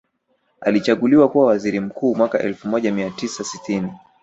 Alichaguliwa kuwa waziri mkuu mwaka elfu moja mia tisa sitini